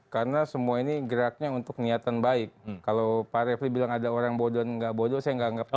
karena semua ini geraknya untuk niatan baik kalau pak refli bilang ada orang bodoh nggak bodoh saya nggak anggap begitu